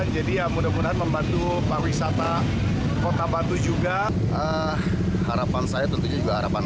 jadi mudah mudahan membantu para wisata kota batu juga harapan saya tentunya juga harapan